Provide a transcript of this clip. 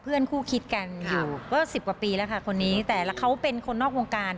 เพื่อนคู่คิดกันอยู่ก็สิบกว่าปีแล้วค่ะคนนี้แต่แล้วเขาเป็นคนนอกวงการ